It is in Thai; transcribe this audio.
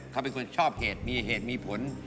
เขาเป็นคนชอบเหตุมีเหตุมีผล